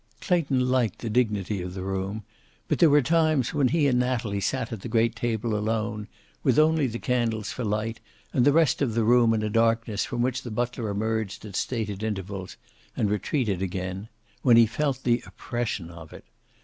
Clayton liked the dignity of the room, but there were times when he and Natalie sat at the great table alone, with only the candles for light and the rest of the room in a darkness from which the butler emerged at stated intervals and retreated again, when he felt the oppression of it.